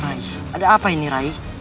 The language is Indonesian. rai ada apa ini rai